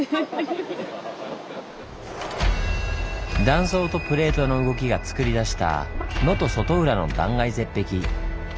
断層とプレートの動きがつくり出した能登外浦の断崖絶壁。